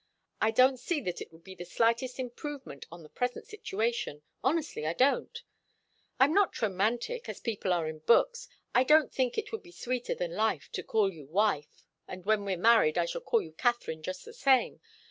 I don't see that it would be the slightest improvement on the present situation honestly, I don't. I'm not romantic, as people are in books. I don't think it would be sweeter than life to call you wife, and when we're married I shall call you Katharine just the same.